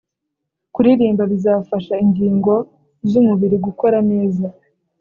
kuririmba bifasha ingigo zumubiri gukora neza